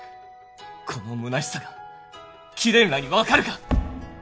このむなしさが貴殿らに分かるか？